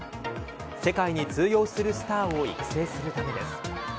世界に通用するスターを育成するためです。